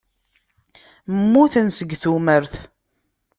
Mmuten seg tumert.